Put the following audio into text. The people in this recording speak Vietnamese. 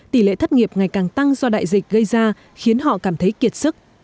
tỷ lệ thất nghiệp ngày càng tăng do đại dịch gây ra khiến họ cảm thấy kiệt sức